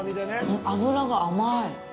脂が甘い。